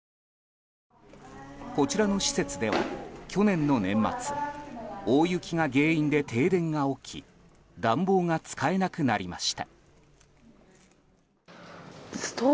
こちらの施設では去年の年末大雪が原因で停電が起き暖房が使えなくなりました。